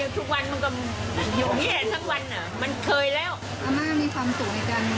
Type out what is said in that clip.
ใช่เขาก็นั่งอย่างนี้เขาขายอย่างนี้แหละ